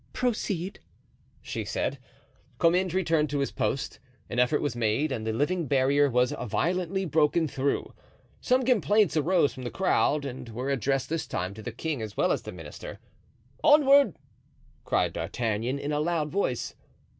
"Proceed," she said. Comminges returned to his post. An effort was made and the living barrier was violently broken through. Some complaints arose from the crowd and were addressed this time to the king as well as the minister. "Onward!" cried D'Artagnan, in a loud voice.